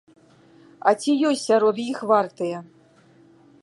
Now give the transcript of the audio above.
А ці ёсць сярод іх вартыя?